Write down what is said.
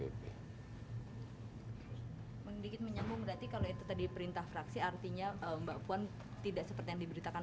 sedikit menyambung berarti kalau itu tadi perintah fraksi artinya mbak puan tidak seperti yang diberitakan